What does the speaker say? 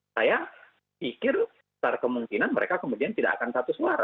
saya pikir secara kemungkinan mereka kemudian tidak akan satu suara